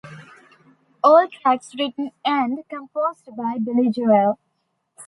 All tracks written and composed by Billy Joel.